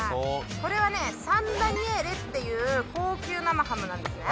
これはねサン・ダニエーレっていう高級生ハムなんですね。